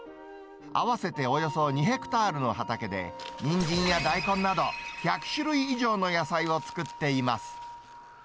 合わせておよそ２ヘクタールの畑で、にんじんや大根など、１００種類以上の野菜を作っています。